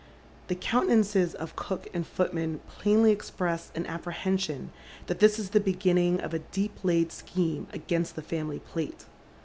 The countenances of cook and footman plainly express au apprehension that this is the beginning of a deep laid scheme against the family plate.